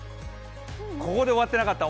ここで終わってなかった。